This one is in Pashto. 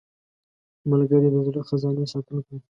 ملګری د زړه خزانې ساتونکی دی